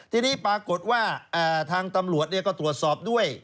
ทีนี้ปรากฏว่าทางตำรวจก็ตรวจสอบด้วย